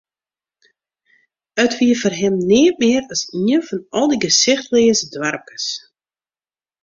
It wie foar him net mear as ien fan al dy gesichtleaze doarpkes.